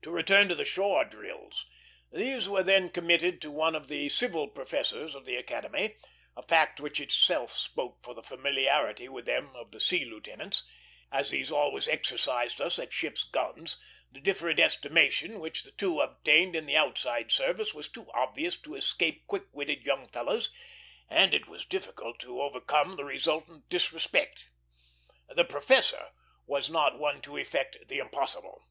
To return to the shore drills: these were then committed to one of the civil professors of the Academy, a fact which itself spoke for the familiarity with them of the sea lieutenants. As these always exercised us at ships' guns, the different estimation which the two obtained in the outside service was too obvious to escape quick witted young fellows, and it was difficult to overcome the resultant disrespect. The professor was not one to effect the impossible.